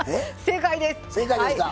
正解ですか。